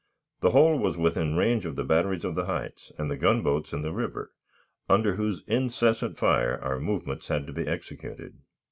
The whole was within range of the batteries on the heights and the gunboats in the river, under whose incessant fire our movements had to be executed.